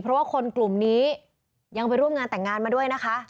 เพราะว่าคนกลุ่มนี้ยังไปร่วมงานแต่งงานมาด้วยนะคะ